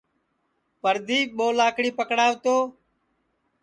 پردیپ ٻو لاکڑی پکڑاو تو